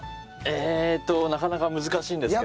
えーっとなかなか難しいんですけど。